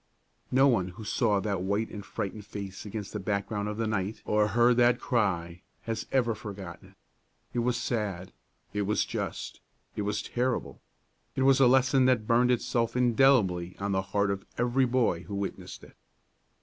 No one who saw that white and frightened face against the background of the night or heard that cry has ever forgotten it. It was sad, it was just, it was terrible! It was a lesson that burned itself indelibly on the heart of every boy who witnessed it.